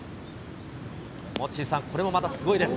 モッチーさん、これもまたすごいです。